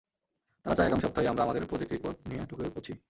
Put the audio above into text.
তারা চায় আগামী সপ্তাহে আমরা আমাদের প্রোজেক্ট রিপোর্ট নিয়ে টোকিও পৌছি।